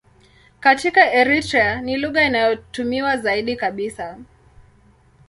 Katika Eritrea ni lugha inayotumiwa zaidi kabisa.